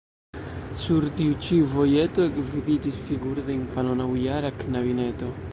Sur tiu ĉi vojeto ekvidiĝis figuro de infano, naŭjara knabineto.